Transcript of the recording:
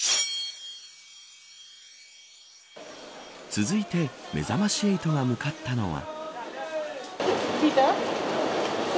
続いてめざまし８が向かったのは。